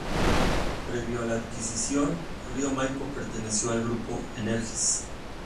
Previo a la adquisición, Río Maipo perteneció al Grupo Enersis.